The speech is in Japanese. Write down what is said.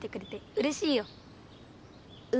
うれしい？